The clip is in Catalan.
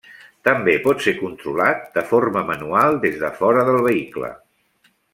També pot ser controlat de forma manual des de fora del vehicle.